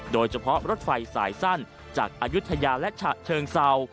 โดยเฉพาะรถไฟสายสั้นจากอายุทยาและฉะเชิงเศร้า